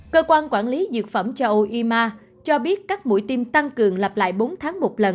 cơ quan quản lý dược phẩm cho oima cho biết các mũi tim tăng cường lặp lại bốn tháng một lần